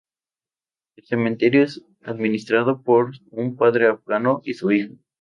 El cementerio es administrado por un padre afgano y su hijo.